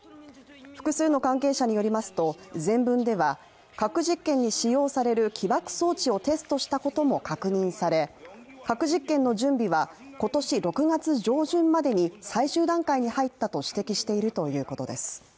複数の関係者によりますと全文では核実験に使用される起爆装置をテストしたことも確認され核実験の準備は今年６月上旬までに最終段階に入ったと指摘しているということです。